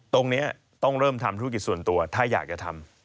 ตรงนี้ต้องเริ่มทำธุรกิจส่วนตัวถ้าอยากจะทำ